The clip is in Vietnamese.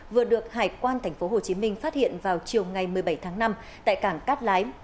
vừa được hải quan tp hcm phát hiện vào chiều ngày một mươi bảy tháng năm tại cảng cát lái